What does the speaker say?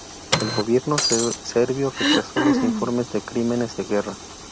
El Gobierno serbio rechazó los informes de crímenes de guerra.